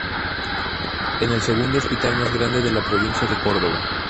Es el segundo hospital más grande de la provincia de Córdoba.